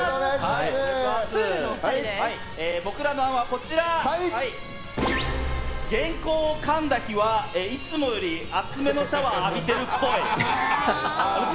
僕らの案は、原稿をかんだ日はいつもより熱めのシャワー浴びてるっぽい。